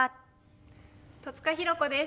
戸塚寛子です。